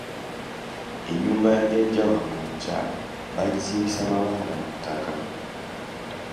Ennyumba ya jjajja wange omukyala baagizimbisa mabanda na ttaka.